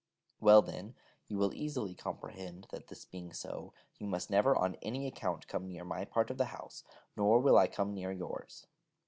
Well, then, you will easily comprehend, that this being so, you must never on any account come near my part of the house, nor will I come near yours.